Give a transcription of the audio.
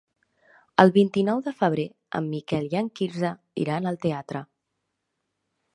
El vint-i-nou de febrer en Miquel i en Quirze iran al teatre.